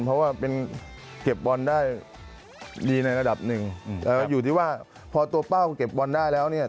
เพราะว่าเป็นเก็บบอลได้ดีในระดับหนึ่งอยู่ที่ว่าพอตัวเป้าเก็บบอลได้แล้วเนี่ย